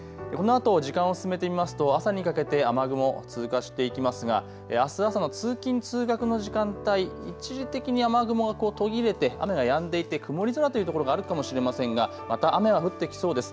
このあと時間を、進めてみますと朝にかけて雨雲、通過していきますがあす朝の通勤通学の時間帯、一時的に雨雲、こう途切れて雨がやんでいて曇り空というところがあるかもしれませんがまた雨は降ってきそうです。